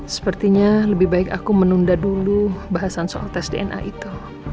sepertinya lebih baik aku menunda dulu bahasan soal tes dna itu